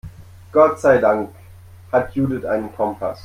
Gott sei Dank hat Judith einen Kompass.